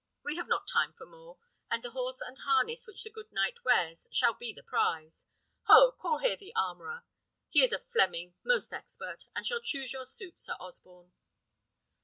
We have not time for more; and the horse and harness which the good knight wears shall be the prize. Ho! call here the armourer. He is a Fleming, most expert, and shall choose your suit, Sir Osborne."